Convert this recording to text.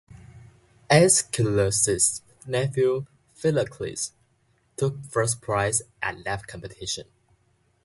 Aeschylus's nephew Philocles took first prize at that competition.